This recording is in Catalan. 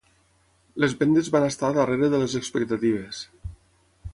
Les vendes van estar darrere de les expectatives.